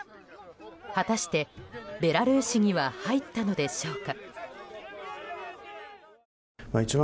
果たして、ベラルーシには入ったのでしょうか。